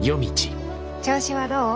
調子はどう？